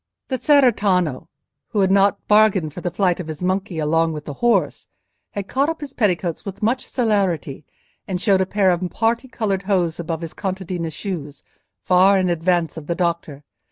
The cerretano, who had not bargained for the flight of his monkey along with the horse, had caught up his petticoats with much celerity, and showed a pair of parti coloured hose above his contadina's shoes, far in advance of the doctor.